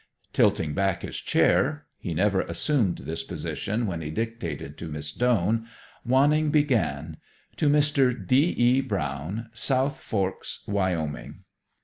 Tilting back his chair he never assumed this position when he dictated to Miss Doane Wanning began: "To Mr. D. E. Brown, South Forks, Wyoming."